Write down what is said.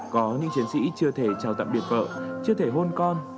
có những chiến sĩ chưa thể chào tạm biệt vợ chưa thể hôn con